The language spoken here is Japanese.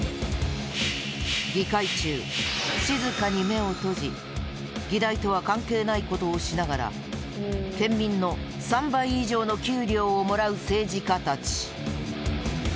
議会中、静かに目を閉じ議題とは関係ないことをしながら県民の３倍以上の給料をもらう政治家たち。